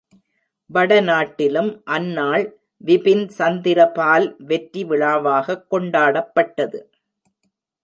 வடநாட்டிலும் அந்நாள் விபின் சந்திரபால் வெற்றி விழாவாகக் கொண்டாடப்பட்டது.